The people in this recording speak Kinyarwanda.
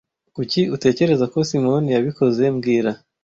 Kuki utekereza ko Simoni yabikoze mbwira